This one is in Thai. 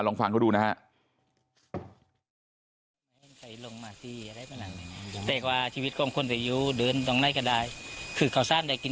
ลองฟังเขาดูนะฮะ